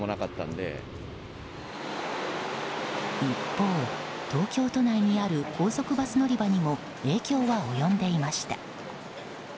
一方、東京都内にある高速バス乗り場にも影響は及んでいました。